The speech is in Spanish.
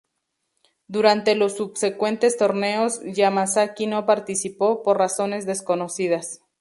Durante los subsecuentes torneos, Yamazaki no participó, por razones desconocidas.